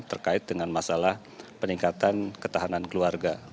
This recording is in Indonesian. terkait dengan masalah peningkatan ketahanan keluarga